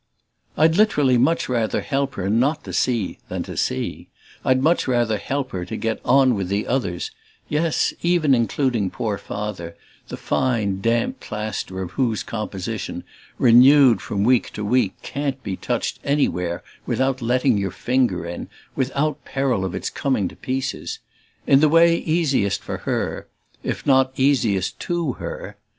I'd literally much rather help her not to see than to see; I'd much rather help her to get on with the others (yes, even including poor Father, the fine damp plaster of whose composition, renewed from week to week, can't be touched anywhere without letting your finger in, without peril of its coming to pieces) in the way easiest for her if not easiest TO her.